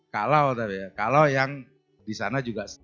kalau kalau yang di sana juga setia